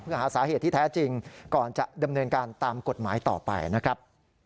เพื่อหาสาเหตุที่แท้จริงก่อนจะดำเนินการตามกฎหมายต่อไปนะครับ